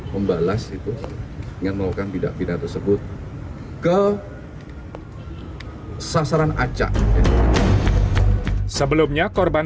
membalas itu ingin melakukan bidang bidang tersebut ke sasaran acak sebelumnya korban